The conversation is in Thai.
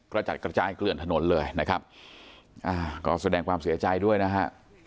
กระจัดกระจายเกลื่อนถนนเลยนะครับอ่าก็แสดงความเสียใจด้วยนะฮะ